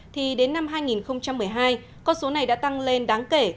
thì đến năm hai nghìn một mươi hai con số này đã tăng lên đáng kể